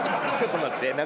ちょっと待って。